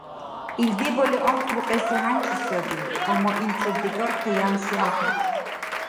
Ил дебали анцӀбукьеси хӀянчи саби, амма илцад-декӀар къиянси ахӀен.